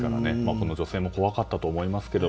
この女性も怖かったと思いますけど。